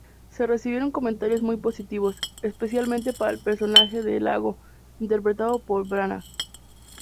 Se recibieron comentarios muy positivos, especialmente para el personaje de Iago interpretado por Branagh.